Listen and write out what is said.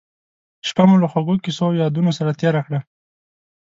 شپه مو له خوږو کیسو او یادونو سره تېره کړه.